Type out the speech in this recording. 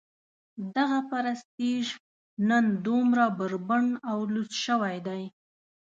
دغه پرستیژ نن دومره بربنډ او لوڅ شوی دی.